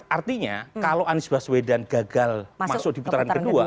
artinya kalau anies baswedan gagal masuk di putaran kedua